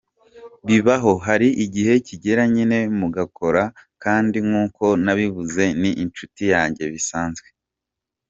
Bibaho, hari igihe kigera nyine mugakora, kandi nk’uko nabivuze ni inshuti yanjye bisanzwe”.